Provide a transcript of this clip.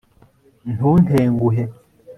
ntuntenguhe